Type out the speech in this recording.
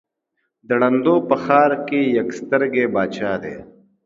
د ړندو په ښآر کې يک سترگى باچا دى.